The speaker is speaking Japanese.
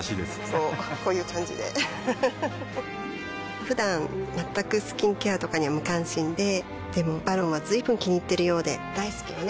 こうこういう感じでうふふふだん全くスキンケアとかに無関心ででも「ＶＡＲＯＮ」は随分気にいっているようで大好きよね